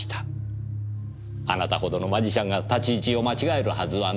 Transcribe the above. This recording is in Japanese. あなたほどのマジシャンが立ち位置を間違えるはずはない。